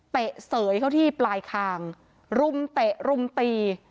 เสยเข้าที่ปลายคางรุมเตะรุมตี